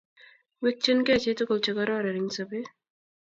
Mikchinkeiy chi tugul chekororon eng' sobet.